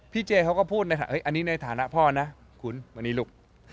พี่เจเขาก็พูดอันนี้ในฐานะพ่อนะคุณวันนี้ลูก